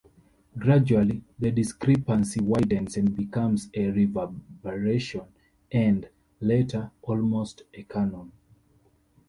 Gradually, the discrepancy widens and becomes a reverberation and, later, almost a canon.